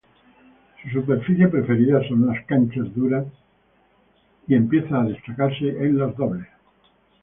Su superficie preferida son las canchas duras y empieza a destacarse en el dobles.